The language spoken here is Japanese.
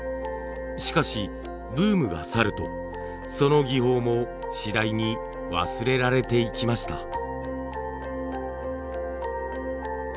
しかしブームが去るとその技法も次第に忘れられていきました。